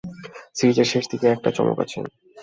সিরিজের শেষ দিকে একটা চমক আছে!